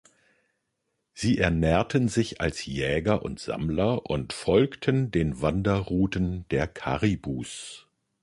Sie ernährten sich als Jäger und Sammler und folgten den Wanderrouten der Karibus.